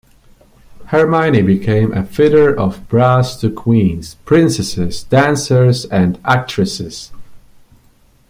Herminie became a fitter of bras to queens, princesses, dancers, and actresses.